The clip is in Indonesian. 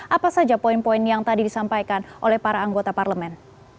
apa saja poin poin yang tadi disampaikan oleh para anggota parlemen